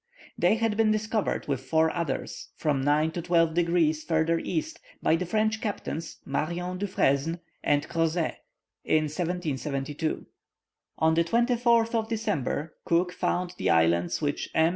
They had been discovered with four others, from nine to twelve degrees further east, by the French Captains Marion Dufresne and Crozet, in 1772. On the 24th of December, Cook found the islands which M.